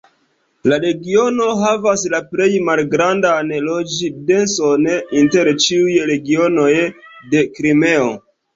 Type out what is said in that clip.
La regiono havas la plej malgrandan loĝ-denson inter ĉiuj regionoj de Krimeo.